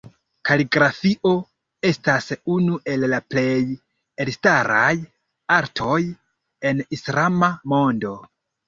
Kaligrafio estas unu el la plej elstaraj artoj en islama mondo.